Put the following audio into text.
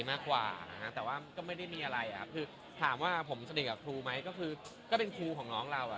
แล้วหลักมันก็ไม่ได้มีอะไรเราแค่ว่าที่บอกไป